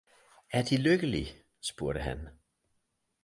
Er De lykkelig? spurgte han.